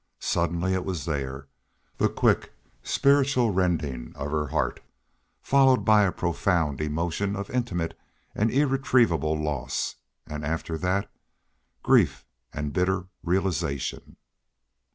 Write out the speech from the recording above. Suddenly then it was there the quick, spiritual rending of her heart followed by a profound emotion of intimate and irretrievable loss and after that grief and bitter realization.